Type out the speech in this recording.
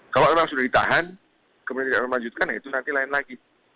kalau memang sudah ditahan kemudian tidak melanjutkan ya itu nanti lain lagi